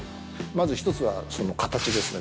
◆まず１つは形ですね。